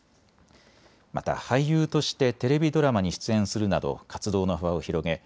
また俳優としてテレビドラマに出演するなど活動の幅を広げ